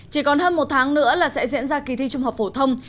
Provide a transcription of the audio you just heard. chỉ còn hơn một tháng nữa là sẽ diễn ra kỳ thi trung học phổ thông